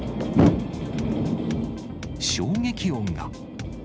衝撃音が。